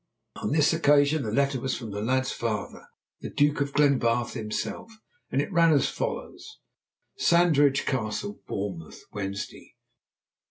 On this occasion the letter was from the lad's father, the Duke of Glenbarth himself, and ran as follows: "Sandridge Castle, Bournemouth, "Wednesday.